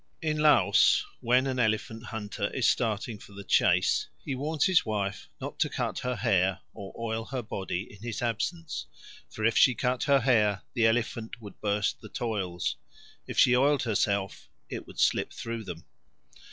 In Laos when an elephant hunter is starting for the chase, he warns his wife not to cut her hair or oil her body in his absence; for if she cut her hair the elephant would burst the toils, if she oiled herself it would slip through them.